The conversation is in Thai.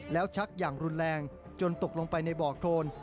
แล้วชักอย่างรุนแรงจนตกลงไปในบ่อโทน